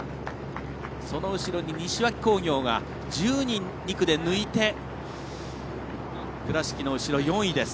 後ろに西脇工業が１０人、２区で抜いて倉敷の後ろ、４位です。